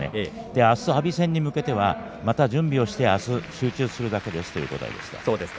あす阿炎戦に向けてはまた準備をしてあす集中するだけですということでした。